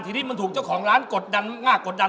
ทีนี้มันถูกเจ้าของร้านกดดันมากกดดัน